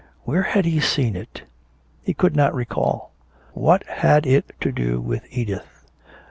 Where had he seen it? He could not recall. What had it to do with Edith?